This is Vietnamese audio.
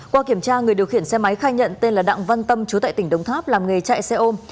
qua kiểm tra người điều khiển xe máy khai nhận tên là đặng văn tâm chú tại tỉnh đồng tháp làm nghề chạy xe ôm